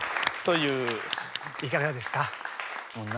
いかがですか？